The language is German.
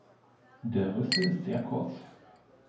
Der Rüssel ist sehr kurz.